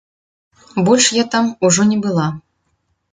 Больш я там ужо не была.